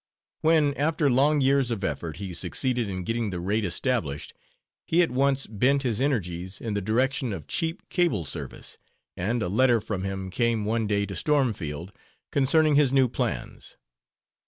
When, after long years of effort, he succeeded in getting the rate established, he at once bent his energies in the direction of cheap cable service and a letter from him came one day to Stormfield concerning his new plans.